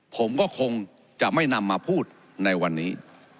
ผมก็คงจะไม่นำมาพูดในวันนี้